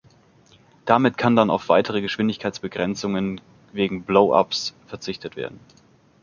Damit kann dann auf weitere Geschwindigkeitsbegrenzungen wegen „Blow-ups“ verzichtet werden.